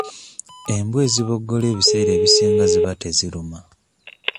Embwa eziboggola ebiseera ebisinga ziba teziruma.